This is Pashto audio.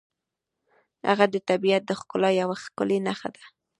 هغه د طبیعت د ښکلا یوه ښکلې نښه ده.